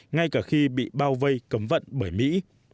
ngay cả khi bị bao vây cấm vận bởi mỹ